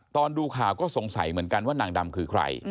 ดูข่าวก็สงสัยเหมือนกันว่านางดำคือใคร